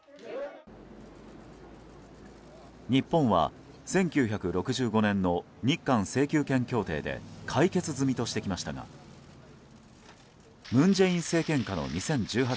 日本は１９６５年の日韓請求権協定で解決済みとしてきましたが文在寅政権下の２０１８年